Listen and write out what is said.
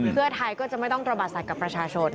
เพื่อไทยก็จะไม่ต้องระบาดสัตว์กับประชาชน